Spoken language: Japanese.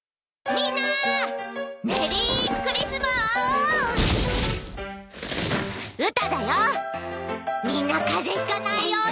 みんな風邪ひかないように。